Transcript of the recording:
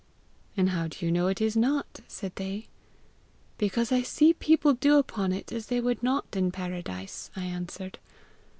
'And how do you know it is not?' said they. 'Because I see people do upon it as they would not in paradise,' I answered.